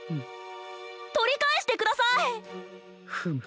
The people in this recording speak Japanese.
とりかえしてください！フム！